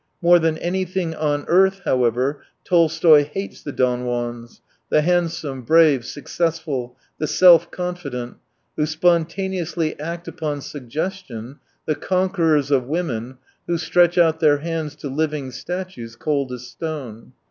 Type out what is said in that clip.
"More than anything on earth," however, Tolstoy hates the Don Juans, the handsome, brave, successful, the self confident, who spon taneously act upon suggestion, the con querors of women, who stretch out their hands to living statues cold as stone.